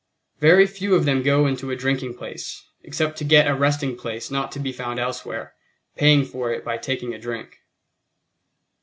Very few of them go into a drinking place, except to get a resting place not to be found elsewhere, paying for it by taking a drink.